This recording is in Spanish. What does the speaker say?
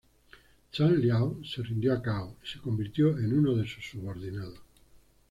Zhang Liao se rindió a Cao y se convirtió en uno de sus subordinados.